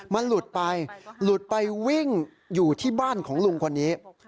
มันหลุดไปหลุดไปวิ่งอยู่ที่บ้านของลุงคนนี้